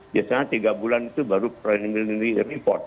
biasanya tiga bulan itu baru premily report